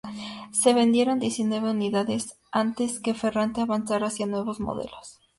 Se vendieron diecinueve unidades antes que que Ferrante avanzara hacia nuevos modelos.